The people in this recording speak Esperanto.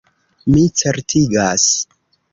Mi certigas.